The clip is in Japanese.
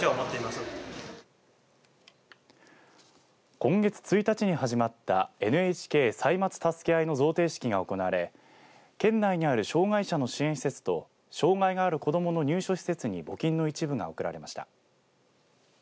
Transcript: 今月１日に始まったＮＨＫ歳末たすけあいの贈呈式が行われ県内にある障害者の支援施設と障害がある子どもの入所施設に募金の一部が贈られました。